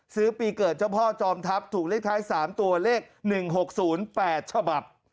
ปีเกิดเจ้าพ่อจอมทัพถูกเลขท้าย๓ตัวเลข๑๖๐๘ฉบับ